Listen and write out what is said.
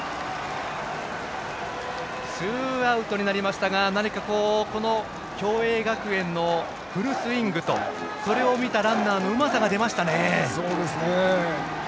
ツーアウトになりましたが共栄学園のフルスイングとそれを見たランナーのうまさが出ましたね。